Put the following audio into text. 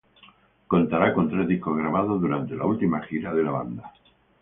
Contará con tres discos grabados durante la última gira de la banda.